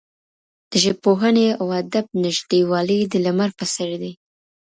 د ژبپوهنې او ادب نږدېوالی د لمر په څېر دی.